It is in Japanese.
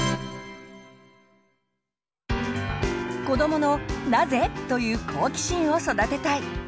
子どもの「なぜ？」という好奇心を育てたい！